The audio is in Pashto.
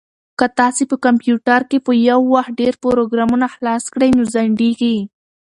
که تاسي په کمپیوټر کې په یو وخت ډېر پروګرامونه خلاص کړئ نو ځنډیږي.